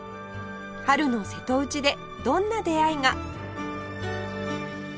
春の瀬戸内でどんな出会いが？